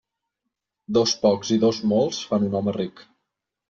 Dos pocs i dos molts fan un home ric.